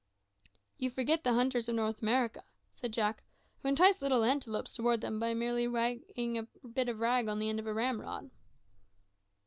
"You forget the hunters of North America," said Jack, "who entice little antelopes towards them by merely wagging a bit of rag on the end of a ramrod."